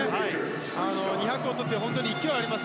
２００をとって勢いあります。